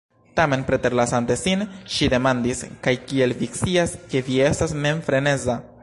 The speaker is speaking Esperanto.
Tamen, preterlasante sin, ŝi demandis "kaj kiel vi scias ke vi estas mem freneza?"